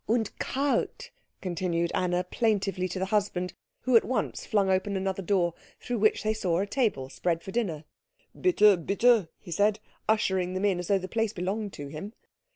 "Und kalt," continued Anna plaintively to the husband, who at once flung open another door, through which they saw a table spread for dinner. "Bitte, bitte," he said, ushering them in as though the place belonged to him.